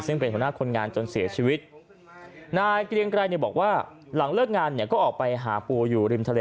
ซึ่งเป็นหัวหน้าคนงานจนเสียชีวิตนายเกรียงไกรเนี่ยบอกว่าหลังเลิกงานเนี่ยก็ออกไปหาปูอยู่ริมทะเล